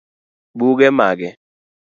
Buge mage?